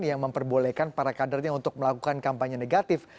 yang memperbolehkan para kadernya untuk melakukan kampanye negatif